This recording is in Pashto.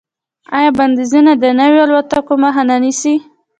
آیا بندیزونه د نویو الوتکو مخه نه نیسي؟